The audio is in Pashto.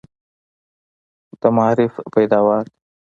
د معارف پیداوار دي.